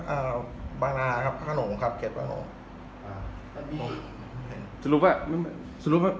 อ่าบางนาครับขนมครับเคล็ดขนมอ่าสรุปว่าสรุปว่า